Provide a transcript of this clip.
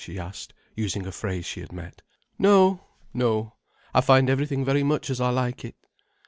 she asked, using a phrase she had met. "No, no. I find everything very much as I like it."